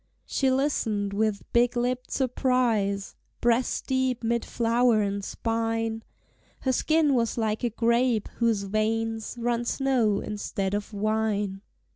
She listened with big lipped surprise, Breast deep mid flower and spine: Her skin was like a grape, whose veins Run snow instead of wine.